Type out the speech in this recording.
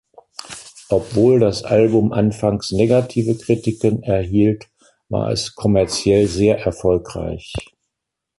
Obwohl das Album anfangs negative Kritiken erhielt, war es kommerziell sehr erfolgreich.